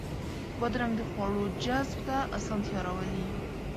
بادرنګ د خواړو جذب ته اسانتیا راولي.